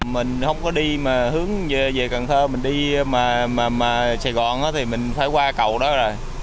mình không có đi mà hướng về cần thơ mình đi mà sài gòn thì mình phải qua cầu đó rồi